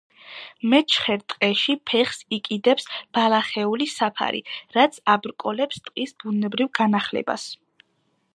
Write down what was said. მეჩხერ ტყეში ფეხს იკიდებს ბალახეული საფარი, რაც აბრკოლებს ტყის ბუნებრივ განახლებას.